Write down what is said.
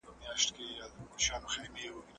فساد د اقتصادي پرمختګ ستر خنډ دی.